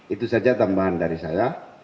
itu saja tambahan dari saya